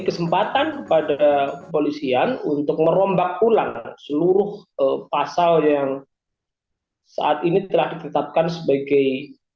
kesempatan kepada polisian untuk merombak ulang seluruh pasal yang saat ini telah ditetapkan sebagai